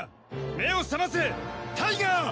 目を覚ませタイガ！